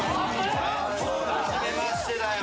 初めましてだよ